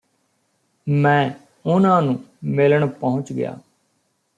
ਮੈਂ ਉਨ੍ਹਾਂ ਨੂੰ ਮਿਲਣ ਪਹੁੰਚ ਗਿਆ